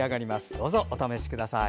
どうぞお試しください。